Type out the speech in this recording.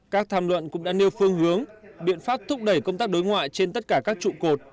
các tham luận cũng đã nêu phương hướng biện pháp thúc đẩy công tác đối ngoại trên tất cả các trụ cột